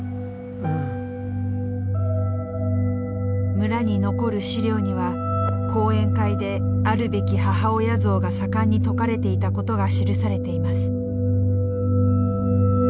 村に残る資料には講演会であるべき母親像が盛んに説かれていたことが記されています。